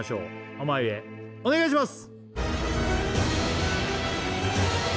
濱家お願いします